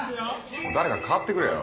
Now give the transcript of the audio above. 誰か代わってくれよ。